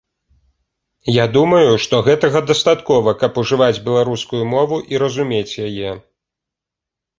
Я думаю, што гэтага дастаткова, каб ужываць беларускую мову і разумець яе.